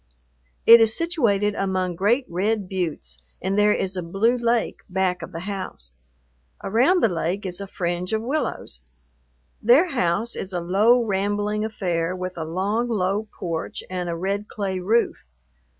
It is situated among great red buttes, and there is a blue lake back of the house. Around the lake is a fringe of willows. Their house is a low, rambling affair, with a long, low porch and a red clay roof.